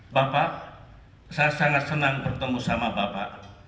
bapak saya sangat senang bertemu sama bapak